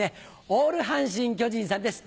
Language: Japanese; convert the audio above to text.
オール阪神・巨人さんです